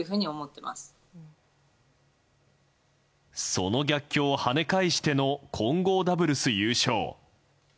その逆境を跳ね返しての混合ダブルス優勝。